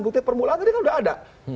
bukti permulaan tadi kan sudah ada